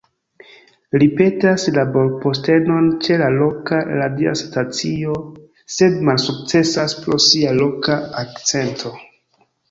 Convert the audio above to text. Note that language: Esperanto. Li petas laborpostenon ĉe la loka radia stacio, sed malsukcesas pro sia loka akcento.